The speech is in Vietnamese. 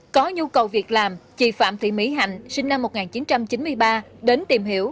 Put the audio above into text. có nhu cầu việc làm chị phạm thị mỹ hạnh sinh năm một nghìn chín trăm chín mươi ba đến tìm hiểu